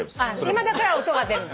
今だから音が出るの。